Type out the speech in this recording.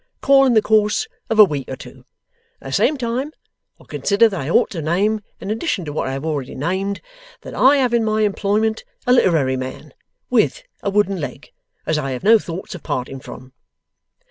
Call in the course of a week or two. At the same time, I consider that I ought to name, in addition to what I have already named, that I have in my employment a literary man WITH a wooden leg as I have no thoughts of parting from.